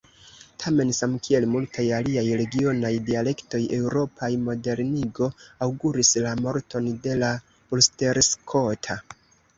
Tamen, samkiel multaj aliaj regionaj dialektoj eŭropaj, modernigo aŭguris la morton de la ulsterskota.